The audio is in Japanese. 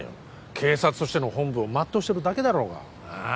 警察としての本分を全うしてるだけだろうがああ？